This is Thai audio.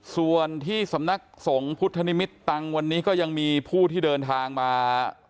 ส่วนที่สำนักสงฆ์พุทธนิมิตตังวันนี้ก็ยังมีผู้ที่เดินทางมา